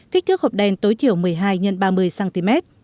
kích thước hộp đen tối thiểu một mươi hai x ba mươi cm